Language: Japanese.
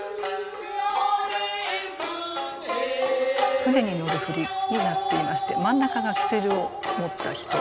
舟に乗る振りになっていまして真ん中がキセルを持った人で。